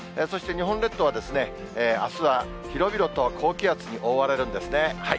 そして日本列島は、あすは広々と高気圧に覆われるんですね。